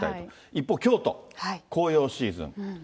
一方、京都、紅葉シーズン。